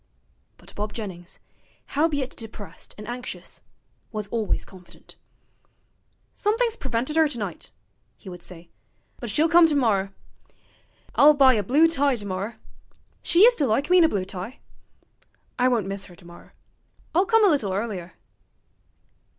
But Bob Jennings, howbeit depressed and anxious, was always confident. 'Somethink's prevented 'er tonight,' he would say, 'but she'll come tomorrer.... I'll buy a blue tie tomorrer she used to like me in a blue tie. I won't miss 'er tomorrer. I'll come a little earlier.'